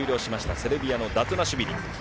セルビアのダトゥナシュビリ。